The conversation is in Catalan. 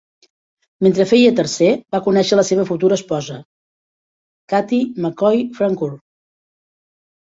Mentre feia tercer, va conèixer la seva futura esposa, Catie McCoy Francoeur.